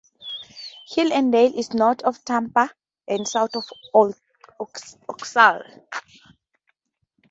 Hill 'n Dale is north of Tampa and south of Ocala.